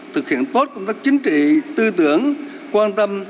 thực hiện tốt công tác chính trị tư tưởng quan tâm